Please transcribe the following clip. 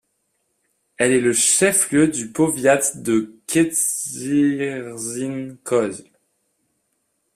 Elle est le chef-lieu du powiat de Kędzierzyn-Koźle.